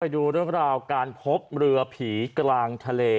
ดูเรื่องราวการพบเรือผีกลางทะเล